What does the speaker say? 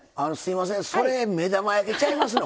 それ目玉焼きちゃいますの？